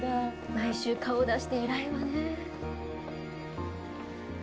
・毎週顔出して偉いわね。